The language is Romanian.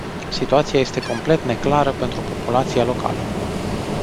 Situația este complet neclară pentru populația locală.